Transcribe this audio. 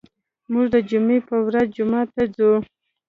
موږ د جمعې په ورځ جومات ته ځو.